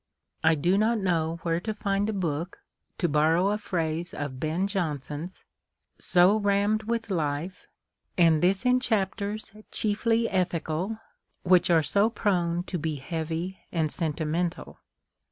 I do not know where to find a book — to borrow a phrase of Ben Jonson's — "so rammed with life," and this in chapters chiefly ethical, which are so prone to be heavy and sentimental.